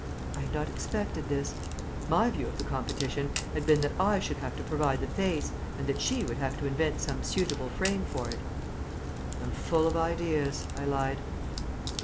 I had not expected this. My view of the competition had been that I should have to provide the face and that she would have to invent some suitable frame for it. "I'm full of ideas," I lied.